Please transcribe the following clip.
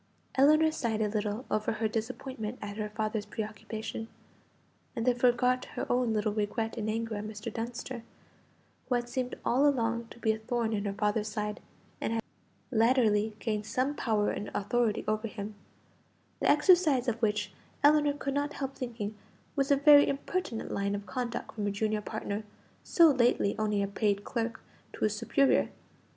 Ellinor sighed a little over her disappointment at her father's preoccupation, and then forgot her own little regret in anger at Mr. Dunster, who had seemed all along to be a thorn in her father's side, and had latterly gained some power and authority over him, the exercise of which, Ellinor could not help thinking, was a very impertinent line of conduct from a junior partner, so lately only a paid clerk, to his superior.